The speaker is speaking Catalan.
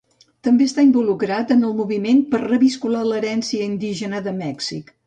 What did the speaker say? També està involucrat en el moviment per reviscolar l'herència indígena de Mèxic.